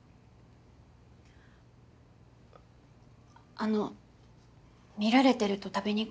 あの見られてると食べにくいです。